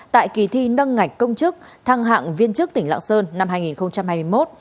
tại kỳ thi nâng ngạch công chức thăng hạng viên chức tỉnh lạng sơn năm hai nghìn hai mươi một